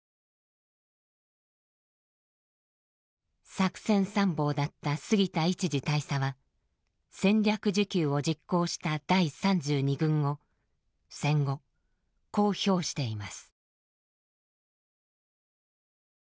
作戦参謀だった杉田一次大佐は戦略持久を実行した第３２軍を戦後こう評しています。